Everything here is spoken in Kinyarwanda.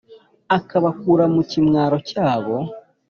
akabakura mu kimwaro cyabo,